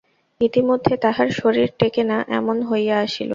ইতিমধ্যে তাহার শরীর টেঁকে না এমন হইয়া আসিল।